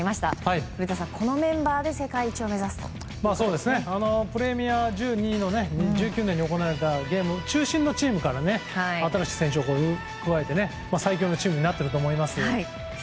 古田さん、このメンバーで世界一を１９年に行われた中心のチームから新しい選手を加えて最強のチームになっていると思います。